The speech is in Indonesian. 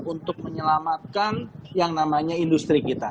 untuk menyelamatkan yang namanya industri kita